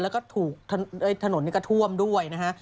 แล้วก็ถูกถนนก็ท่วมด้วยนะฮะ